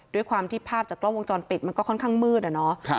ด้วยความที่ภาพจากกล้องวงจรปิดมันก็ค่อนข้างมืดอะเนาะ